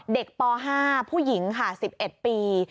เด็กป๕ผู้หญิง๑๑ปี